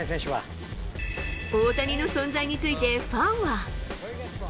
大谷の存在についてファンは。